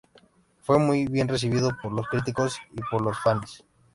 Fue muy bien recibido por los críticos y por los fanes.